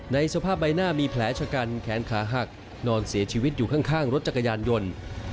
สภาพใบหน้ามีแผลชะกันแขนขาหักนอนเสียชีวิตอยู่ข้างรถจักรยานยนต์